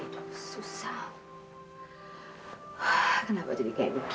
tapi utang lo masih numpuk di gue